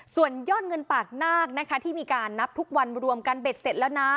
ส่วนยอดเงินปากนาคนะคะที่มีการนับทุกวันรวมกันเบ็ดเสร็จแล้วนะ